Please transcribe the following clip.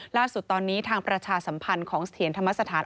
ล่าสุดตอนนี้ทางประชาสัมพันธ์ของเสถียรธรรมสถาน